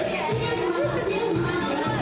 เชี่ยวกับคุณครับ